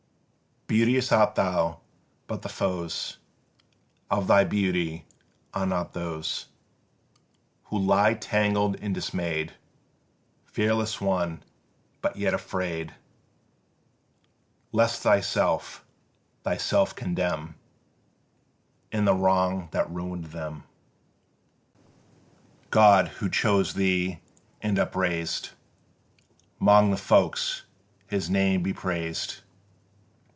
Beauteous art thou, but the foes Of thy beauty are not those Who lie tangled and dismay'd; Fearless one, be yet afraid Lest thyself thyself condemn In the wrong that ruin'd them. God, who chose thee and upraised 'Mong the folk (His name be praised!)